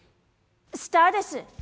スターです。